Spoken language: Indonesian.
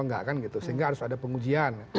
enggak kan gitu sehingga harus ada pengujian